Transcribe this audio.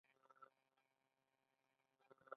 آیا سوداګري یې په لوړه کچه نه ده؟